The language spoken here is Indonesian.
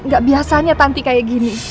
gak biasanya tanti kayak gini